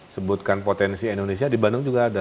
sebutkan potensi indonesia di bandung juga ada